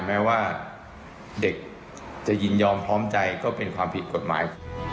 แม้ว่าเด็กจะยินยอมพร้อมใจก็เป็นความผิดกฎหมาย